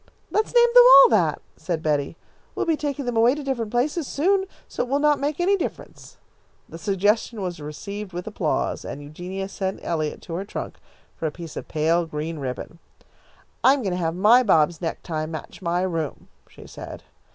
"Let's name them all that," said Betty. "We'll be taking them away to different places soon, so it will not make any difference." The suggestion was received with applause, and Eugenia sent Eliot to her trunk for a piece of pale green ribbon. "I'm going to have my Bob's necktie match my room," she said.